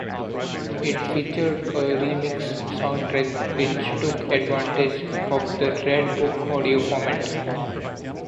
It featured a remixed soundtrack which took advantage of the Redbook audio format.